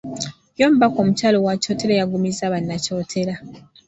Ye omubaka omukyala owa Kyotera yagumizza Bannakyotera.